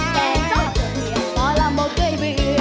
แกก็เก่งเหนียกหมอลำบ่เก่งเวียด